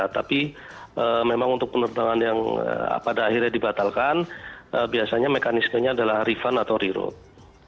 tapi memang untuk penerbangan yang pada akhirnya dibatalkan biasanya mekanismenya adalah refund atau reroup